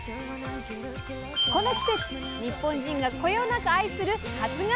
この季節日本人がこよなく愛する初がつお！